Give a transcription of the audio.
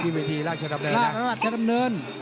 ที่วิธีราชดำเนิน